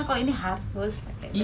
kalau ini harus